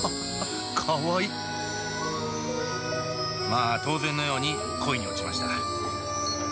まあ当然のように恋に落ちました。